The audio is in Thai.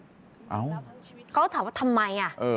เขาก็ถามว่าทำไม